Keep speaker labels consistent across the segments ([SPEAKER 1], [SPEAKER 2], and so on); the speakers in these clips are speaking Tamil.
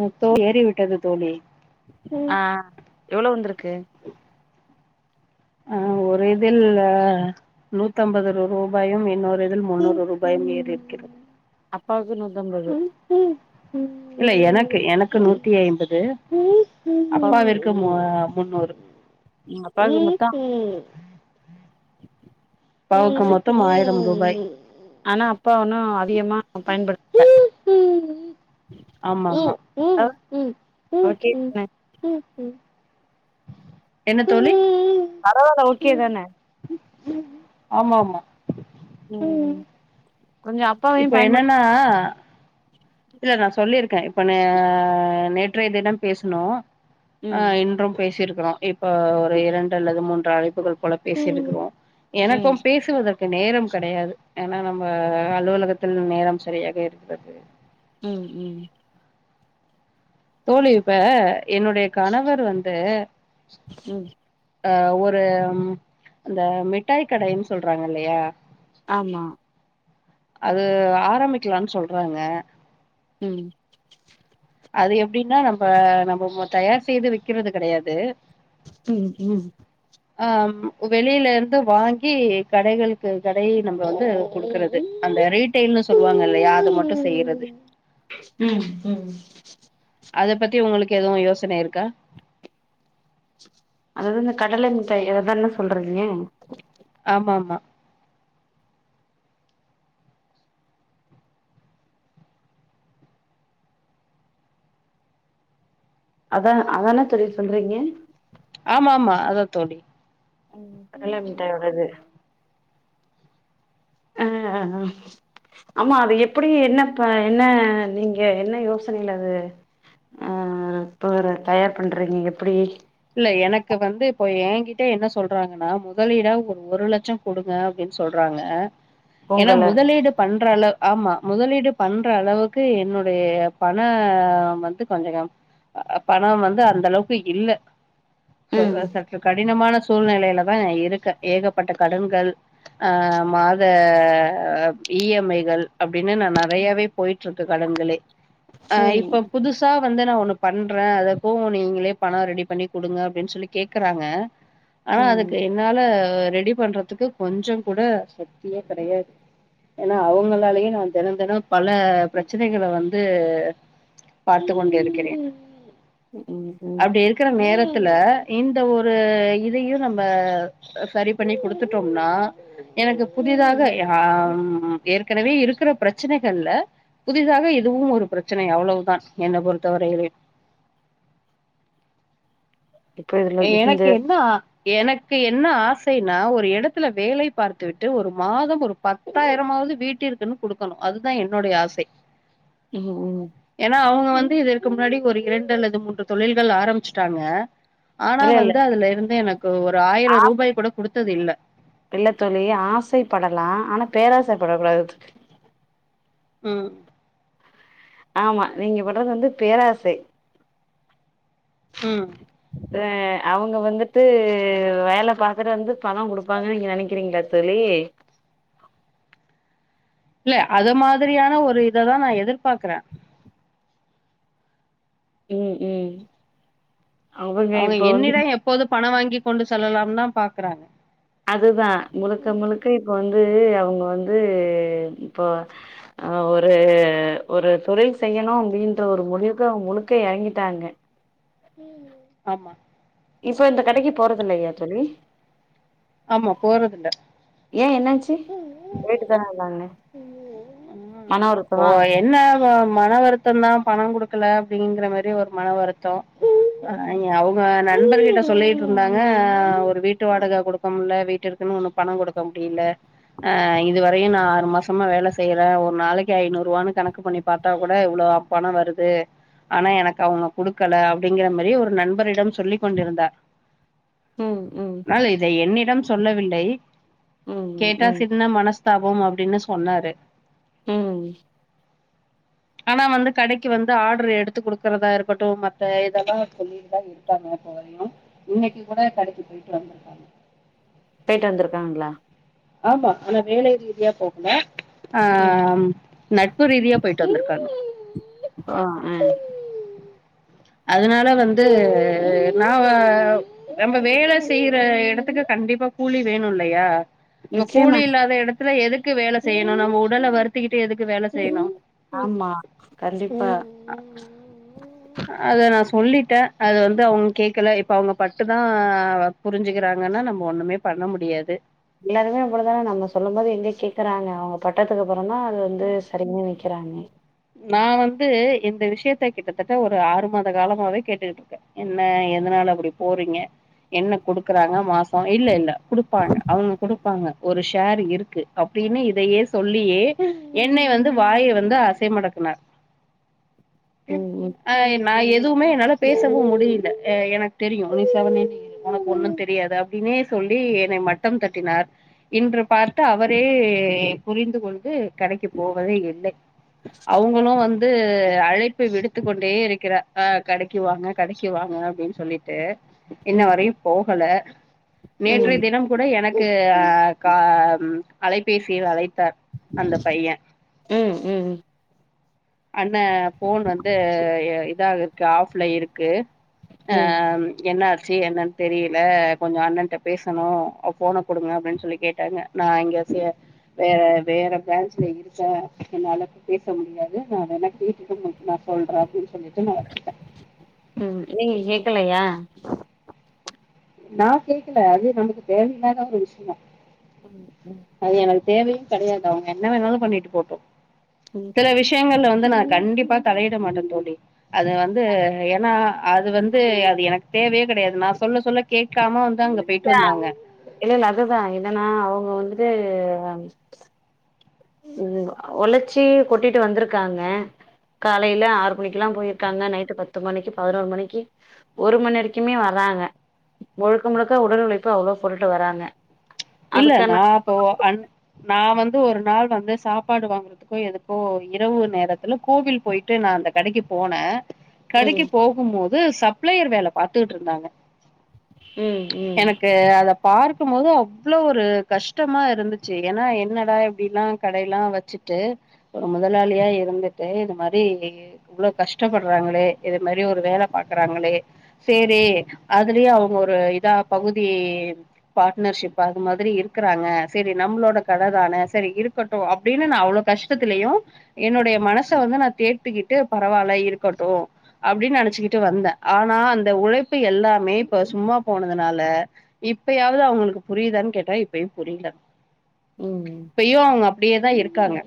[SPEAKER 1] அ தோ ஏறி விட்டது தோழி
[SPEAKER 2] ஆ எவ்வளோ வந்திருக்கு
[SPEAKER 1] அ ஒரு இதில்ல நூத்தம்பது ரூபாயு இன்னொரு இதில் முன்னூறு ரூபாயு ஏறிருக்கு
[SPEAKER 2] அப்பாவுக்கு நூ
[SPEAKER 1] இல்ல எனக்கு எனக்கு நூத்தி ஐம்பது
[SPEAKER 2] அப்பா
[SPEAKER 1] அப்பாவிற்கு மோ முண்நூறு
[SPEAKER 2] அப்பாவுக்கு
[SPEAKER 1] ம்
[SPEAKER 2] மொத்தோ
[SPEAKER 1] ம் பாக்க
[SPEAKER 2] அப்டி
[SPEAKER 1] மொத்தம் ஆயிரம் ரூ பாய்
[SPEAKER 2] ஆனா அப்பா ஒன்னு அவிகமா பயன்படுத்தல
[SPEAKER 1] ஆமாமா
[SPEAKER 2] அ ஓகே தான
[SPEAKER 1] என்ன தோழி
[SPEAKER 2] பரவால்ல ஓகே தான
[SPEAKER 1] ஆமா ஆமா
[SPEAKER 2] ம் கொஞ்சோ அப்பாவையு
[SPEAKER 1] இப்ப
[SPEAKER 2] பயன்படுத்
[SPEAKER 1] என்னன்னா இல்ல நா சொல்லியிருக்கே இப்ப நா நேற்றைய தினம் பேசுனோ ஆ
[SPEAKER 2] ம்
[SPEAKER 1] இன்றும் பேசிருக் கறோ இப்ப ஒரு இரண்டு அல்லது மூன்று அழைப்புகள் போல பேசிருக்கிறோ எனக்கு
[SPEAKER 2] ம்
[SPEAKER 1] பேசுவதற்கு நேரம் கெடையாது ஏன்னா நம்ம அலுவலகத்தில் நேரம் சரியாக இருக்கிறது
[SPEAKER 2] ம் ம்
[SPEAKER 1] தோழி இப்ப என்னுடைய கணவர் வந்து
[SPEAKER 2] ம்
[SPEAKER 1] ஆ ஒரு அந்த மிட்டாய் கடைன்னு சொல்றாங்க இல்லையா
[SPEAKER 2] ஆமா
[SPEAKER 1] அது ஆரம்பிக்கலான் சொல்றாங்க
[SPEAKER 2] ம்
[SPEAKER 1] அது எப்டின்னா நம்ப நம்ப மொ தயார் செய்து விக்கிறது கெடையாது
[SPEAKER 2] ம் ம்
[SPEAKER 1] ஆ ம் வெளியிலருந்து வாங்கி கடைகளுக்கு கடை நம்ப வந்து குடுக்குறது அந்த ரீடைல்னு சொல்லுவாங்க இல்லையா அது மட்டு செய்றது
[SPEAKER 2] ம் ம்
[SPEAKER 1] அதப் பத்தி உங்களுக்கு எதுவு யோசனை இருக்
[SPEAKER 2] அதாது இந்த கடல மிட்டாய் அததான சொல்றிங்க
[SPEAKER 1] ஆமா ஆமா
[SPEAKER 2] அதா அதான தோழி சொல்றீங்க
[SPEAKER 1] ஆமாமா அதா தோழி
[SPEAKER 2] கடல மிட்டாய் ஓடது அ அ அ ஆமா அது எப்புடி என்ன ப என்ன நீங்க என்ன யோசனைல அது அ அ இப்ப வர தயார் பண்றீங்க எப்டி
[SPEAKER 1] இல்ல எனக்கு வந்து இப்போ ஏங்கிட்ட என்ன சொல்றாங்கன்னா முதலீடா ஒரு ஒரு லட்சொ குடுங்க அப்டின் சொல்றாங்க அ ஏன்னா
[SPEAKER 2] பொங்கல
[SPEAKER 1] முதலீடு பண் ற அள ஆமா முதலீடு பண்ற அளவுக்கு என்னுடைய பண வந்து கொஞ்சொ கம் அ அ பணம் வந்து அந்த அளவுக்கு இல்ல
[SPEAKER 2] ம்
[SPEAKER 1] சொல்ற சற்று கடினமான சூழ்நெலையில தா இருக்க ஏகப்பட்ட கடன்கள் ஆ மாத ஈ எம் ஐ கள் அப்டின்னு நா நறையாவே பொய்ட்ருக்கு கடன்களே ஆ
[SPEAKER 2] ம்
[SPEAKER 1] இப்ப புதுசா வந்து நா ஒன்னு பண்ற அதப் போக நீங்களே பணொ ரெடி பண்ணி குடுங்க அப்டின் சொல்லி கேக்குறாங்க ஆனா
[SPEAKER 2] ம்
[SPEAKER 1] அதுக்கு என்னால ரெடி பண்றதுக்கு கொஞ்சங் கூட சக்தியே கெடையாது ஏன்னா அவுங்களாலயே நா தெனந் தெனொ பல ப்ரச்சனைகள வந்து பார்த்துக் கொண்டு இருக்கிறேன்
[SPEAKER 2] ம் ம்
[SPEAKER 1] த்துல இந்த ஒரு இதையு நம்ம சரி பண்ணிக் குடுத்துட்டோம்னா எனக்கு புதிதாக யா ம் ஏற்கனவே இருக்குற ப்ரச்சனைகள்ல புதிதாக இது வும் ஒரு ப்ரச்சனை அவ்ளோவுதான் என்ன பொறுத்த வரைலியு
[SPEAKER 2] இப்ப இதுல
[SPEAKER 1] எ
[SPEAKER 2] இந்த
[SPEAKER 1] எனக்கு என்னா எனக்கு என்னா ஆசைன்னா ஒரு எடத்துல வேலை பார்த்து விட்டு ஒரு மாதம் ஒரு பத்தாயிரமா வ்து வீட்டிற்க்குனு குடுக்கணு அது தா என்னோடய ஆசை
[SPEAKER 2] ம் ம்
[SPEAKER 1] ஏனா அவுங்க வந்து இத ற்கு முன்னாடி ஒரு இரண்டு அல்லது மூன்று தொழில்கள் ஆரம்பிச்சிட்டாங்க ஆனா
[SPEAKER 2] இல்ல இல்ல
[SPEAKER 1] வந்து அதுலே இருந்து எனக்கு ஒரு ஆயிரொ
[SPEAKER 2] ஆ
[SPEAKER 1] ரூபாய் கூட குடுத்ததில்ல
[SPEAKER 2] இல்ல தோழி ஆசைப்படலா ஆனா பேராசைப்படக் கூடாது
[SPEAKER 1] ம்
[SPEAKER 2] ஆமா நீங்க பட்றது வந்து பேராசை
[SPEAKER 1] ம்
[SPEAKER 2] ஆ அவுங்க வந்துட்டு வேல பாத்துட்டு வந்து பணொ குடுப்பாங்க நீங்க நெனக்கிறீங்களா தோழி இ
[SPEAKER 1] இல்ல அத மாதிரியான ஒரு இத தா நா எதிர்ப்பாக்குற
[SPEAKER 2] ம் ம் அவங்க
[SPEAKER 1] அவ்ங்க
[SPEAKER 2] இப்ப வந்து
[SPEAKER 1] என்னிட எப்போது பண வாங்கிக் கொண்டு செல்லலாம் தா பாக்குறாங்க
[SPEAKER 2] அதுதா முழுக்க முழுக்க இப்போ வந்து அவுங்க வந்து இப்போ அ ஒரு ஒரு தொழில் செய்யணு அப்டின்ற ஒரு முடிவுக்கு முழுக்க எறங்கிட்டாங்க
[SPEAKER 1] ஆமா
[SPEAKER 2] போறது இல்லயா தோழி
[SPEAKER 1] ஆமா போறதில்ல.
[SPEAKER 2] ஏ என்னாச்சு போயிட்டு தானருந்தாங்கண்ண
[SPEAKER 1] ம்.
[SPEAKER 2] மன வருத்தோ
[SPEAKER 1] ஆ மன வருத்தம் தா பணம் குடுக்கல அப்டிங்கிற மாரி ஒரு மன வருத்தோ அயி அவுங் க நண்பர்கிட்ட சொல்லிட்டு இருந்தாங்க ஒரு வீட்டு வாடக குடுக் க முல்ல வீட்டிற்குன்னு ஒன்னு பணோ குடுக்க முடியல ஆ இதுவரையு நா ஆறு மாசமா வேல செய்ற ஒரு நாளைக்கு ஐநூறுவான்னு கணக்கு பண்ணி பாத்தா கூட இவ்ளோ ஆ பணோ வருது ஆனா எனக்கு அவுங்க குடுக்கல அப்டிங்கிற மாரி ஒரு நண்பரிடம் சொல்லிக் கொண்டிருந்தார்
[SPEAKER 2] ம் ம்
[SPEAKER 1] ஆனால் இதை என்னிடம் சொல்லவில்லை
[SPEAKER 2] ம்,
[SPEAKER 1] கேட்டா
[SPEAKER 2] ம்,
[SPEAKER 1] சின்ன மனஸ்தாபம் அப்டின்னு சொன்னாரு
[SPEAKER 2] ம்
[SPEAKER 1] ஆனா வந்து கடைக்கு வந்து ஆர்டரு எடுத்து குடுக்கறதா இருக்கட்டு மத்த இதெல்லா சொல்லிட்டுதா இருக்காங்க போலியு இன்னைக்கு கூட கடைக்கு போயிட்டு வந்துருக்காங்க
[SPEAKER 2] போய்ட்டு வந்துருக்காங்களா
[SPEAKER 1] ஆமா ஆனா வேலை ரீதியா போகல ஆ
[SPEAKER 2] ம்.
[SPEAKER 1] நட்பு ரீதியா போயிட்டு வந்துருக்காங்க
[SPEAKER 2] அப்ற ஆ
[SPEAKER 1] அதனால வந்து நா ஆ நம்ப வேல செய்ற எடத்துக்கு கண் டிப்பா கூலி வேணு இல்லையா இப்ப கூலி
[SPEAKER 2] நிச்சயமா.
[SPEAKER 1] இல்லாத எடத்துல எதுக்கு வேல செய்யணு நம்ம உடல வருத்திக்கிட் ட்ரு எதுக்கு வேல செய்ணு
[SPEAKER 2] ஆமா. கண்டிப்பா.
[SPEAKER 1] அ இது நா சொல்லிட்ட அது வந்து அவுங்க கேக்கல இப்ப அவுங்க பட்டுதா புரிஞ்சுக்கிறாங்கன்னா நம்மக்ஷப ஒன்னு மே பண்ண முடியாது
[SPEAKER 2] எல்லாருமே அவ்வள தானே நம்ம சொல்லும் போது எங்க கேக்குறாங்க அவுங்க பட்டத்துக்கு அப்புறந்தா அது வந்து சரின்னு நெனைக் கிறாங்க
[SPEAKER 1] நா வந்து இந்த விஷயத்த கிட்டத்தட்ட ஒரு ஆறு மாத காலமாவே கேட்டுக்கிட்டு இருக்க என்ன எதனா ல அப்டி போறீங்க என்ன குடுக்குறாங்க மாசோ இல்ல இல்ல குடுப்பாங்க அவுங்க குடுப்பாங்க ஒரு ஷேரு இருக்கு அப் டினு இதையே சொல்லியே என்னை வந்து வாய வந்து அ சை மடக்குனார்
[SPEAKER 2] ம், ம்,
[SPEAKER 1] ஆ என் நா எதுவுமே என்னால பேசவு முடியில ஆ எனக்கு தெரியு நீ செவனேன்னு இரு ஒனக்கு ஒன்னு தெரியாது அப்டின்னு னே சொல்லி என்னை மட்டம் தட்டினார் இன்று பார்த்து அவரே புரிந்து கொண்டு கடைக்கு போவதே இல்லை அவங்களு வந்து அழைப்பு விடுத்துக் கொண்டே இருக்கிறார் ஆ கடைக்கு வாங்க கடைக்கு வாங் க அப்டின்னு சொல்லிட்டு இன்ன
[SPEAKER 2] ம்,
[SPEAKER 1] வரையும் போகல
[SPEAKER 2] ம்.
[SPEAKER 1] நேற்றைய தினம் கூட எனக் க்கு ஆ கா அலைபேசியில் அழைத்தார் அந்த பைய
[SPEAKER 2] ம் ம்
[SPEAKER 1] அண்ண ஃபோன் வந்து இதாக இருக்கு ஆஃப்ல இருக்கு ஆ
[SPEAKER 2] ம்
[SPEAKER 1] என்னாச் சி என்னன்னு தெரியில கொஞ்சோ அண்ணன்ட்ட பேசணு ஃபோன குடுங்க அப்டின்னு சொல்லி கேட்டாங்க நா இங்க ச்ச வே வேற பிரான்ச்ல இருக்க என்னால பேச முடியாது நா வேணா கேட்டுட்டு உஙகளுக்கு நா சொல்ற அப்டின்னு சொல்லிட்டு நா வெச்சுட்ட
[SPEAKER 2] ம் நீங்க கேக்கலையா
[SPEAKER 1] நா கேக்கல அது நமக்கு தேவையில்லாத ஒரு விஷயோ
[SPEAKER 2] ம்
[SPEAKER 1] அது எனக்கு தேவையு கெடையாது அவுங்க என்ன வேணாலு பண்ணிட்டு போட்டு
[SPEAKER 2] ம்
[SPEAKER 1] செல விஷயங்கள்ல வந் து நா கண்டிப்பா தலையிட மாட்ட தோழி அது வந்து ஏன்னா அது வந்து அது எனக் தேவையே கெடையாது நா சொல்ல சொல்ல கேட்காம வந்து அங்க போயிட்டு
[SPEAKER 2] ஏ
[SPEAKER 1] வந்தாங்க
[SPEAKER 2] இல்ல இல்ல அதுதா என்னன்னா அவங்க வந்துட்டு ம் ஒழச்சி கொட்டிட்டு வந்துருக்காங்க காலேல ஆறு மணிக்கெல்லா போயிருக்காங்க நைட்டு பத்து மணிக்கு பதினோரு மணிக்கு ஒரு மணி வரைக்குமே வரா ஆங்க முழுக்க முழுக்க உடல் உழைப்பு அவ்ளோ போட்டுட்டு வராங்க
[SPEAKER 1] இல்லங்க
[SPEAKER 2] அதுக்கான
[SPEAKER 1] அப்போ அன் நா வந்து ஒரு நாள் வந்து சாப்பாடு வாங்கறதுக்கோ எதுக்கோ இரவு நேரத்துல கோவில் போயிட்டு நா அந்த கடைக்கி போனே
[SPEAKER 2] ம்
[SPEAKER 1] கடைக்கி போகும் போது சப்ளையர் வேல பாத்துட்டு இருந்தாங்க
[SPEAKER 2] ம் ம்
[SPEAKER 1] எனக்கு அத பார்க்கும்போது அவ் ளோ ஒரு கஷ்டமா இருந்துச்சி ஏன்னா என்னடா இப்டிலா கடையெல்லா வச்சிட்டு ஒரு முதலாளியா இருந்துட்டு இந்த மாரி இவ்ளோ கஷ்டப்படுறாங்களே இது மாரி ஒரு வேல பாக்கறாங்க சேரி அதுலயே அவுங்க ஒரு இதா பகுதி பார்ட்னர்ஷிப் இப்ப அது மாதிரி இருக்குறாங்க சேரி நம்மளோட கட தான செரி இருக்கட்டு அப்டின்னு நா அவ்ளோ கஷ்டத்துலயு என்னுடைய மனச வந்து நா தேத்திகிட்டு பரவால்ல இருக்கட்டு அப்டின்னு நெனச்சிக்கிட்டு வந்தே ஆனா அந்த உழைப்பு எல்லாமே இப்ப சும்மா போனதுனால இப்பயாவது அவுங்களுக்கு புரியுதான்னு கேட்டா இப்பயு புரியல
[SPEAKER 2] ம்
[SPEAKER 1] இப்பயு அவுங்க அப்படியேதா இருக் இருக்காங்க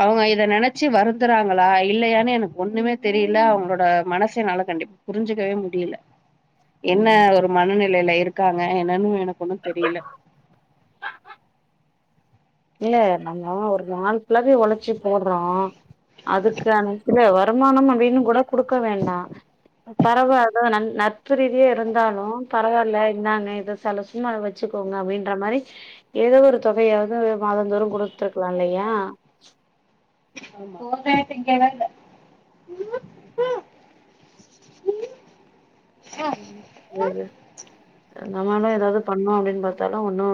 [SPEAKER 1] அவுங்க இத நெனச்சி வருந்துறாங்களா இல்லையான்னு எனக்கு ஒண்ணுமே தெரியல அவங்களோட மனச என்னால கண்டிப்பா புரிஞ்சிக்கவே முடியல என்ன
[SPEAKER 2] ம்
[SPEAKER 1] ஒரு மனநிலையில இருக்காங்க என்னன்னு எனக்கு ஒன்னு தெரியல
[SPEAKER 2] இல்ல நம்ம ஒரு நாள் ஃபுல்லாவே ஒழச்சி போடுறோ அதுக்கு அனைத்துல வர வருமானம் அப்டின்னு கூட குடுக்க வேண்டா பரவால்ல நண் நட்பு ரீதியே இருந்தாலு பரவால்ல இந்தாங்க இத செல சும்மா வச்சி கோங்க அப்டின்ற மாரி ஏதோ ஒரு தொகையாவது மாதந்தோறு குடுத்துருக்கலா இல்லையா
[SPEAKER 1] ஆமா
[SPEAKER 2] ம் ஏது நம்மாள ஏதாவது பண்ணோ அப்டின்னு பாத்தாலு ஒன்னு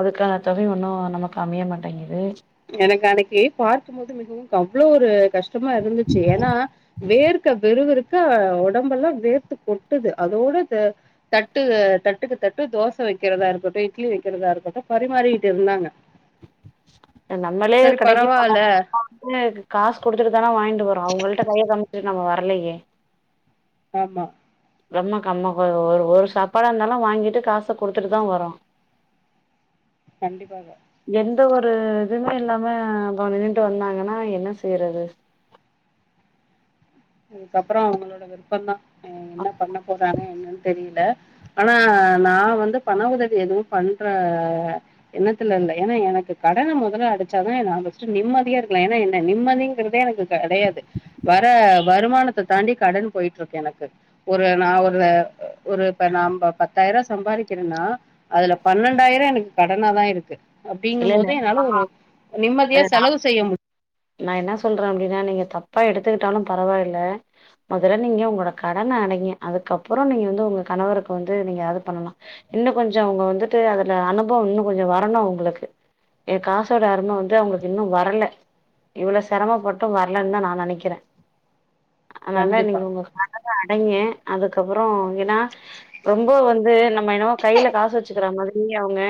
[SPEAKER 2] அதுக்கான தொகை ஒன்னு நமக்கு அம ய மாட்டேங்கிது
[SPEAKER 1] எனக்கு அன்னக்கி பார்க்கும்போது மிகவும் அவ்ளோ ஒரு கஷ் டமா இருந்துச்சி ஏன்னா வேர்க்க வெறுவருக் க ஒடம்பெல்லா வேர்த்து கொட்டுது அதோட தட்டு தட்டுக்கு தட்டு தோச வக்கிறதா இருக்கட்டு இட்லி வக்கிறதா இருக்கட்டு பரிமாறிகிட்டு இருந்தாங்க
[SPEAKER 2] நம்மளே
[SPEAKER 1] சரி
[SPEAKER 2] கடைக்கு
[SPEAKER 1] பரவால்ல
[SPEAKER 2] போனோன்னா நம்ம வந்து காஸ் குடுத்துட்டு தானா வாங்கிட்டு வர்றோ அவங்கள்ட கைய காம் சிட்டு நம்ம வரலையே
[SPEAKER 1] ஆமா
[SPEAKER 2] ரொம்ம கம்ம கோ ஒரு ஒரு சாப்பாடா இருந்தாலு வாங்கீட்டு காச குடுத்துட்டு தா வர்றோ
[SPEAKER 1] கண்டிப்பாக
[SPEAKER 2] எந்த ஒரு இதுமே இல்லாம அப்போ நின்ட்டு வந்தாங்கன்னா என்ன செய்றது
[SPEAKER 1] அதுக்கப்பறோ அவங்களோட விருப்பந்தா என்ன பண்ண போறாங்க என்னன்னு தெரியல ஆனா நா வந்து பண உதவி எதுவு பண்ற எண்ணத்துல இல்ல ஏன்னா எனக் கு கடன மொதல்ல அடச்சாதா நா ஃபர்ஸ்ட் நிம்மதியா இருக்கலா ஏன்னா என்ன நிம்மதிங்கிறதே எனக்கு கெடையாது வற வருமானத்த தாண்டி கடன் போயிட்டு இருக்கு எனக்கு ஒரு நா ஒரு ஒரு நா பத்தாயிரோ சம்பாரிக்கிறேன்னா அதுல பன்னெண்டாயிரோ எனக்கு கடனா தா இருக்கு
[SPEAKER 2] இல்ல
[SPEAKER 1] அப்டிங்கும்
[SPEAKER 2] இல்ல
[SPEAKER 1] போது என்னால ஒரு நிம்மதியா
[SPEAKER 2] அத நா
[SPEAKER 1] செலவு செய்ய முடி
[SPEAKER 2] நா என்ன சொல்றே அப்டின்னா நீங்க தப்பா எடுத்துக்கிட்டாலு பரவாயில்ல மொதல்ல நீங்க உங்களோட கடன் ஆ நீங்க அதுக்கப்புறோ நீங்க வந்து உங்க கணவருக் வந்து நீங்க அது பண்ணலா இன்னு கொஞ்சோ அவுங்க வந்துட்டு அது அ அனுபவு இன்னு கொஞ்சோ வரணு அவுங்குளுக்கு எ காசோட அரும வந்து அவுங்குளுக்கு இன்னு வரல இவுள செரமப்பட்டு வர்லன் தா நான் நெனைக்கிற அதுனால
[SPEAKER 1] கண்டிப்பா
[SPEAKER 2] நீங்க உங்க காச அடைங்க அதுக்கப்புறோ ஏனா ரொம்போ வந் து நம்ம என்னவோ கைல காசு வச்சுக்கிற மாதிரி அவ்ங்க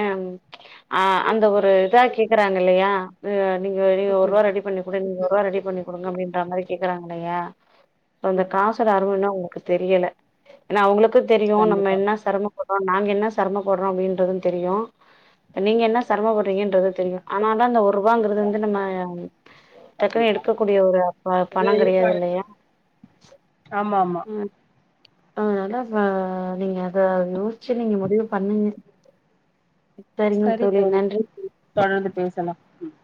[SPEAKER 2] ஆ அந்த ஒரு இதா கேக்குறாங்க இல்லயா வ நீங்க வெளிய
[SPEAKER 1] ம்
[SPEAKER 2] ஒர்வா
[SPEAKER 1] ம்
[SPEAKER 2] ரெடி ஒரு ரெண் ஒருவா ரெடி பண்ணி குடுங்க அப்டின்ற மாரி கேக்குறாங்கலையா அந்த
[SPEAKER 1] ம்
[SPEAKER 2] காசோட அருவு என்னாகு க்கு தெரியல எனா அவுங்குளுக்கு தெரியு நம்ம
[SPEAKER 1] கண்டிப்பா
[SPEAKER 2] என்ன செரம போத்தா நாங்கென்ன செரம பட்றோ அப்டின்றதுன் தெரியு நீங்கென்ன செரமப்பட்றீங்கன்றது தெரியு ஆனால்தா அந்த ஒரூவாங்கறது வந்து நம்ம டக்குனு எடுக்கக்கூடிய ஒரு பா பணங் கெடையாது இல்லையா
[SPEAKER 1] மாம்மா
[SPEAKER 2] ஆ அதா ஃபா நீங்க அத யோச்சு நீங்க முடிவு பண்ணுங்க சரிங்க
[SPEAKER 1] சரி தோழி
[SPEAKER 2] நன்றி.
[SPEAKER 1] தொடர்ந்து பேசலா ம்